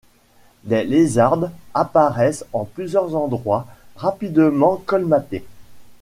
Des lézardes apparaissent en plusieurs endroits, rapidement colmatées.